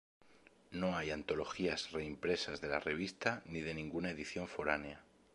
No hay antologías reimpresas de la revista ni de ninguna edición foránea.